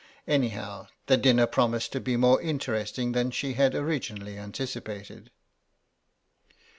Anyhow, the dinner promised to be more interesting than she had originally anticipated.